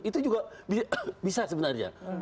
itu juga bisa sebenarnya